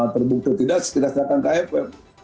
terbukti tidak tidak silakan kff